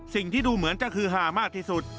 สิ่งที่ดูเหมือนจะฮือหามากที่สุด